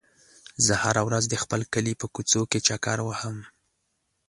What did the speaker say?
زه هره ورځ د خپل کلي په کوڅو کې چکر وهم.